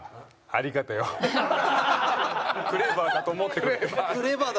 クレバーだと思ってるんだ